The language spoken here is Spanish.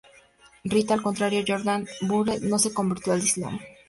Rita, al contrario de Joan Yarde-Buller, no se convirtió al Islam.